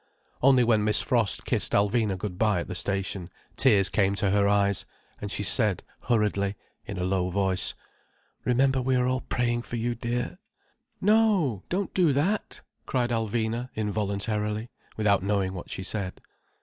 Only when Miss Frost kissed Alvina good bye at the station, tears came to her eyes, and she said hurriedly, in a low voice: "Remember we are all praying for you, dear!" "No, don't do that!" cried Alvina involuntarily, without knowing what she said.